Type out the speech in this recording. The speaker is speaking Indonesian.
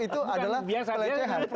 itu adalah pelecehan